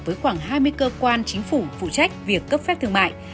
với khoảng hai mươi cơ quan chính phủ phụ trách việc cấp phép thương mại